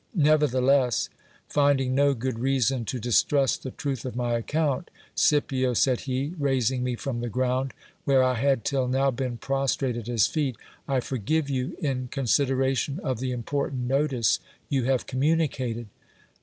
Nevertheless, finding no good reason to distrust the truth of my account, Scipio, said he, raising me from the ground, where I had till now been prostrate at his feet, I forgive you in consideration of the im portant notice you have communicated.